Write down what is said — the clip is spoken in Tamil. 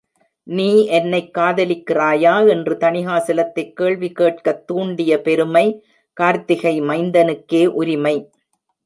நீ என்னைக் காதலிக்கிறாயா? என்று தணிகாசலத்கைக் கேள்விக் கேட்கத் தூண்டிய பெருமை கார்த்திகை மைந்தனுக்கே உரிமை.